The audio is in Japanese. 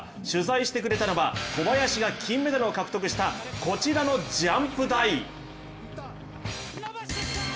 取材してくれたのは小林が金メダルを獲得したこちらのジャンプ台。